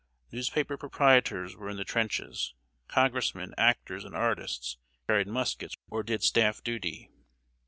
Newspaper proprietors were in the trenches. Congressmen, actors, and artists, carried muskets or did staff duty.